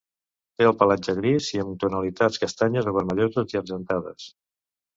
Té el pelatge gris i amb tonalitats castanyes o vermelloses i argentades.